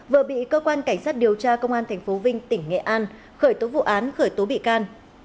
vừa bị cơ quan cảnh sát điều tra công an tp vinh tỉnh nghệ an khởi tố vụ án khởi tố bị can